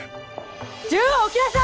銃を置きなさい！